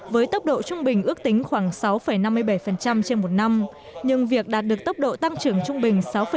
với tốc độ trung bình ước tính khoảng sáu năm mươi bảy trên một năm nhưng việc đạt được tốc độ tăng trưởng trung bình sáu năm